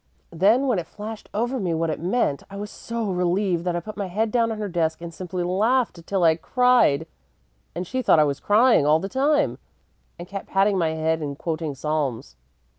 Then, when it flashed over me what it meant, I was so relieved that I put my head down on her desk and simply laughed till I cried; and she thought I was crying all the time, and kept patting my head and quoting Psalms.